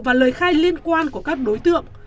và lời khai liên quan của các đối tượng